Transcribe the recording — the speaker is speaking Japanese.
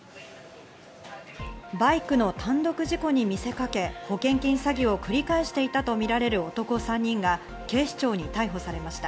バイクの単独事故に見せかけ保険金詐欺を繰り返していたとみられる男３人が警視庁に逮捕されました。